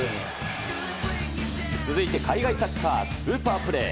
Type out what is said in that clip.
続いて海外サッカー、スーパープレー。